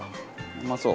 うまそう。